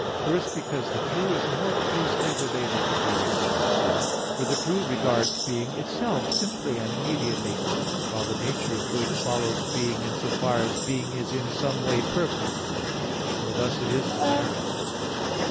First, because the true is more closely related to being than is good. For the true regards being itself simply and immediately; while the nature of good follows being in so far as being is in some way perfect; for thus it is desirable.